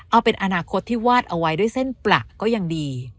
เอาเป็นอนาคตที่วาดเอาไว้ด้วยเส้นประก็ยังดี